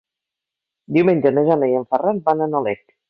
Diumenge na Jana i en Ferran van a Nalec.